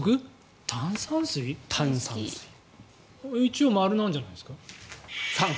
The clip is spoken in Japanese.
一応、○なんじゃないですか。